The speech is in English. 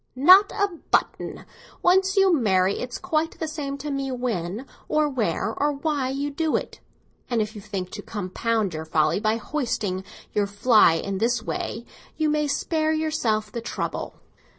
"Not a button. Once you marry, it's quite the same to me when or where or why you do it; and if you think to compound for your folly by hoisting your flag in this way, you may spare yourself the trouble."